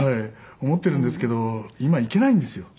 思ってるんですけど今行けないんですよ。